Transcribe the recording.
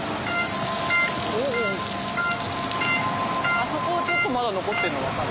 あそこちょっとまだ残ってるの分かる？